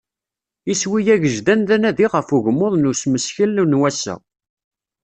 Iswi agejdan d anadi ɣef ugmmuḍ n usmeskel n wass-a.